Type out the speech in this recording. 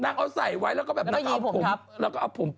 นี่ไงผมบอกแล้วขั้วผ้ากับสถานที่มันขัดกันครับผม